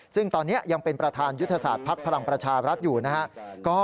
ซึ่งตอนนี้ยังเป็นประธานยุทธศาสตร์ภักดิ์พลังประชารัฐอยู่นะครับ